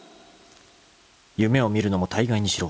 ［「夢を見るのもたいがいにしろ」